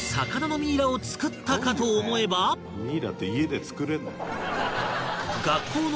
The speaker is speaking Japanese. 「ミイラって家で作れるの？」